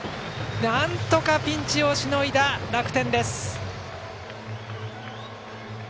なんとかピンチをしのいだ楽天。